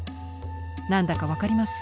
何だか分かります？